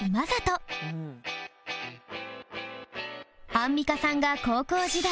アンミカさんが高校時代